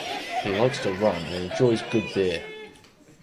He likes to run and enjoys good beer.